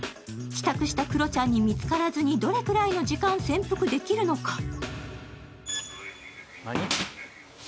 帰宅したクロちゃんに見つからずにどれくらいの時間、潜伏できるのか？